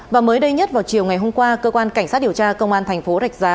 và mới đây nhất vào chiều ngày hôm qua cơ quan cảnh sát điều tra công an thành phố rạch giá